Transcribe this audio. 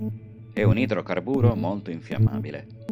È un idrocarburo molto infiammabile.